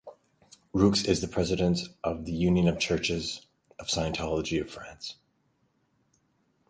Roux is the President of the Union of the Churches of Scientology of France.